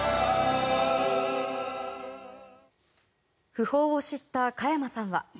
訃報を知った加山さんは。